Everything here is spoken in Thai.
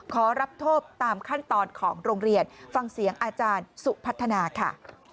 ขอรับโทษตามขั้นตอนของโรงเรียนฟังเสียงอาจารย์สุพัฒนาค่ะ